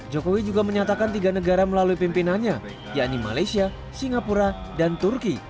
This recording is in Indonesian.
jokowi juga menyatakan tiga negara melalui pimpinannya yakni malaysia singapura dan turki